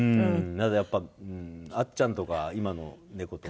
だってやっぱあっちゃんとか今の猫とか。